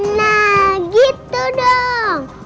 nah gitu dong